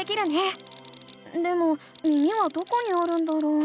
でも耳はどこにあるんだろう？